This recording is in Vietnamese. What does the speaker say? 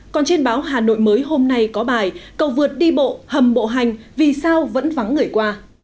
còn trên báo hà nội mới hôm nay có bài cầu vượt đi bộ hầm bộ hành vì sao vẫn vắng người qua